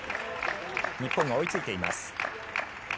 日本が追いついています。